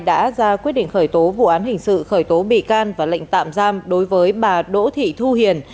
đã ra quyết định khởi tố vụ án hình sự khởi tố bị can và lệnh tạm giam đối với bà đỗ thị thu hiền